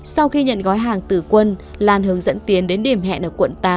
sau khi nhận gói hàng từ quân lan hướng dẫn tiến đến điểm hẹn ở quận tám